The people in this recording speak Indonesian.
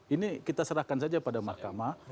ini kita serahkan saja pada mahkamah